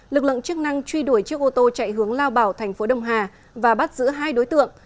lực lượng chức năng truy đuổi chiếc ô tô chạy hướng lao bảo thành phố đông hà và bắt giữ hai đối tượng